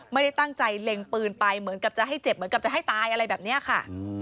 ไม่ได้ตั้งใจเล็งปืนไปเหมือนกับจะให้เจ็บเหมือนกับจะให้ตายอะไรแบบนี้ค่ะ